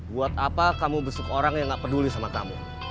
buat apa kamu besuk orang yang gak peduli sama kamu